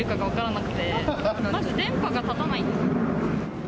まず電波が立たないんです。